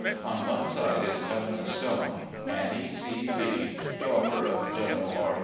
On one side is cut in the stone, ' Annie C. Lee, daughter of General R.